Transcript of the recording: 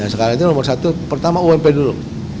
sekarang itu nomor satu pertama ump dulu